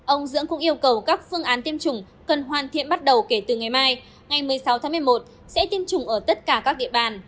ông dưỡng cũng yêu cầu các phương án tiêm chủng cần hoàn thiện bắt đầu kể từ ngày mai ngày một mươi sáu tháng một mươi một sẽ tiêm chủng ở tất cả các địa bàn